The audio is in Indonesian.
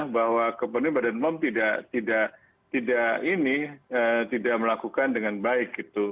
bahwa kebenaran badan pom tidak melakukan dengan baik